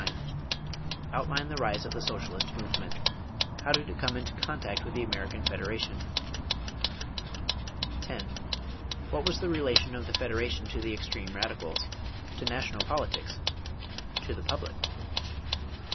Outline the rise of the socialist movement. How did it come into contact with the American Federation? 10. What was the relation of the Federation to the extreme radicals? To national politics? To the public?